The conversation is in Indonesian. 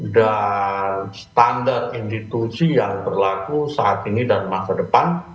dan standar institusi yang berlaku saat ini dan masa depan